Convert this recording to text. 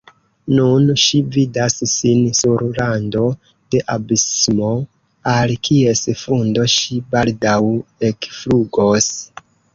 Nun ŝi vidas sin sur rando de abismo, al kies fundo ŝi baldaŭ ekflugos.